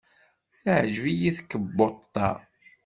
Teɛjeb-iyi tkebbuḍt-a.